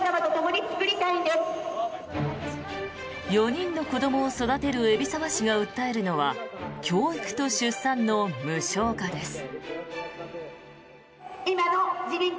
４人の子どもを育てる海老沢氏が訴えるのは教育と出産の無償化です。